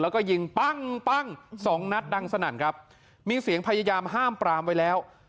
แล้วก็ยิงปั้งปั้งสองนัดดังสนั่นครับมีเสียงพยายามห้ามปรามไว้แล้ว